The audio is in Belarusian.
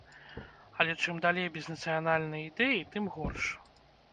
Але, чым далей без нацыянальнай ідэі, тым горш.